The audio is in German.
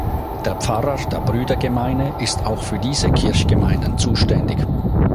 Der Pfarrer der Brüdergemeine ist auch für diese Kirchgemeinden zuständig.